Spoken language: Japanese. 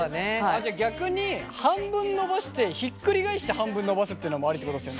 じゃあ逆に半分伸ばしてひっくり返して半分伸ばすっていうのもありってことですよね。